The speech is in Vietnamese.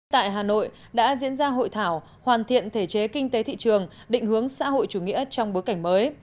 tại hà nội đã diễn ra hội thảo hoàn thiện thể chế kinh tế thị trường định hướng xã hội chủ nghĩa trong bối cảnh mới